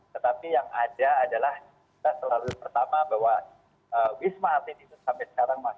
tetapi yang ada adalah kita selalu pertama bahwa wisma atlet itu sampai sekarang masih